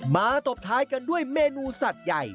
ตบท้ายกันด้วยเมนูสัตว์ใหญ่